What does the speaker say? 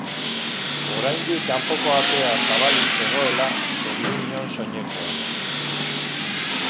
Oraindik kanpoko atea zabalik zegoela kendu nion soinekoa.